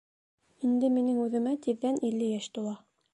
Инде минең үҙемә тиҙҙән илле йәш тула.